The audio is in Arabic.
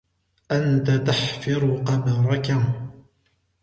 انت تحفر قبرك.